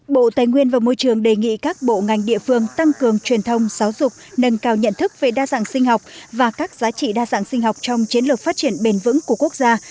bộ tài nguyên và môi trường đề nghị các bộ ngành địa phương tăng cường truyền thông giáo dục nâng cao nhận thức về đa dạng sinh học và các giá trị đa dạng sinh học trong chiến lược phát triển bền vững của quốc gia